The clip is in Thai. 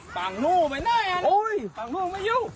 ปังโน้มไอ้หน้าปังโน้มไม่อยู่